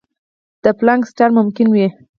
د پلانک سټار ممکن وي.